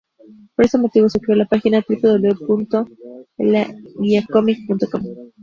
Por este motivo se creó la página "www.laguiacomic.com".